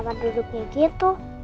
sus kenapa duduknya gitu